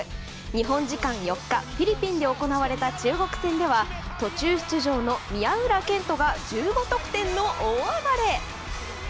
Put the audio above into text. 日本時間４日フィリピンで行われた中国戦では途中出場の宮浦健人が１５得点の大暴れ。